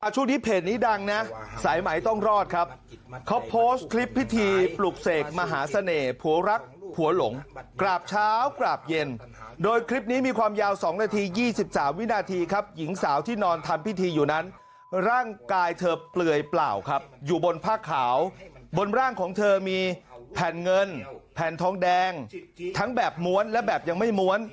ช่วงนี้เพจนี้ดังนะสายไหมต้องรอดครับเขาโพสต์คลิปพิธีปลุกเสกมหาเสน่ห์ผัวรักผัวหลงกราบเช้ากราบเย็นโดยคลิปนี้มีความยาว๒นาที๒๓วินาทีครับหญิงสาวที่นอนทำพิธีอยู่นั้นร่างกายเธอเปลือยเปล่าครับอยู่บนผ้าขาวบนร่างของเธอมีแผ่นเงินแผ่นทองแดงทั้งแบบม้วนและแบบยังไม่ม้วน